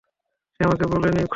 সে আমাকে বলেনি, সোনা।